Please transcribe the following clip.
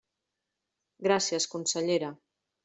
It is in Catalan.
Gràcies, consellera.